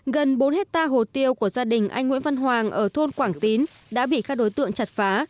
gần bốn hectare hồ tiêu của gia đình anh nguyễn văn hoàng ở thôn quảng tín đã bị các đối tượng chặt phá